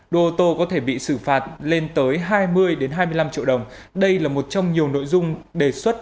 đồ ô tô có thể bị xử phạt lên tới hai mươi hai mươi năm triệu đồng đây là một trong nhiều nội dung đề xuất